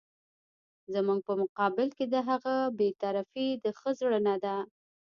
زموږ په مقابل کې د هغه بې طرفي د ښه زړه نه ده.